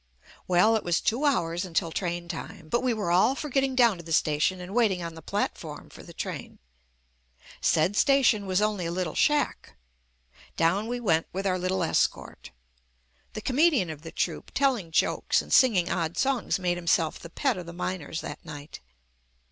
Well, it was two hours until train time, but we were all for getting down to the station and waiting on the platform for the train. Said station was only a little shack. Down we went with our little escort. The comedian of the troupe telling jokes and singing odd songs JUST ME made himself the pet of the miners that night.